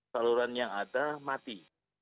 saluran yang ada mati